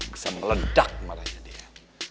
bisa meledak malah dia